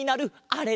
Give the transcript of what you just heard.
あれ？